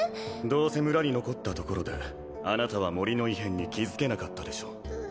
どうせ村に残ったところであなたは森の異変に気づけなかったでしょう